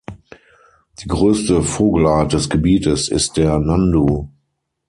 Die größte Vogelart des Gebietes ist der Nandu.